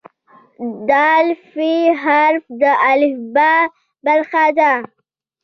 د "ف" حرف د الفبا برخه ده.